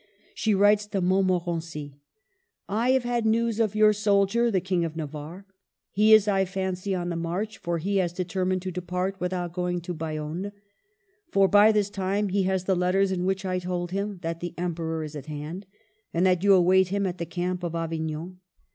She writes to Mont morency, —" I have had news of your soldier, the King of Na varre. He is, I fancy, on the march, for he has deter mined to depart without going to Bayonne ; for by this time he has the letters in which I told him that the Em peror is at hand, and that you await him at the camp of Avignon.